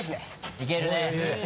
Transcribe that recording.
いけるね。